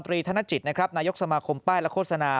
ตรีธนจิตนายกสมคมป้ายและโฆษณา